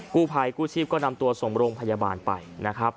กู้ภัยกู้ชีพก็นำตัวส่งโรงพยาบาลไปนะครับ